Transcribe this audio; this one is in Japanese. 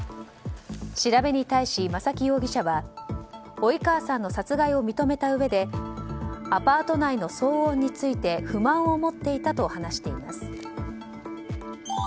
調べに対し、真崎容疑者は及川さんの殺害を認めたうえでアパート内の騒音について不満を持っていたと話しています。